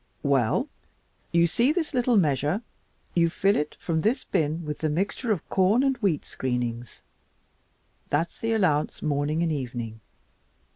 "Well, you see this little measure? You fill it from this bin with this mixture of corn and wheat screenings. That's the allowance, morning and evening.